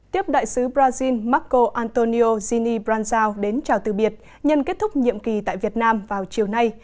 tiếp đại sứ brazil marco antonio zini branzau đến chào từ biệt nhân kết thúc nhiệm kỳ tại việt nam vào chiều nay